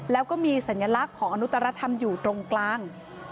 แล้วก็มีสัญลักษณ์ของอนุตรธรรมอยู่ตรงกลาง